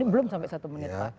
belum sampai satu menit pak